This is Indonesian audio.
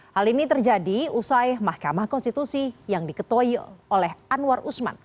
hal ini terjadi usai mahkamah konstitusi yang diketuai oleh anwar usman